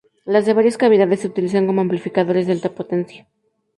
Los de varias cavidades se utilizan como amplificadores de alta potencia.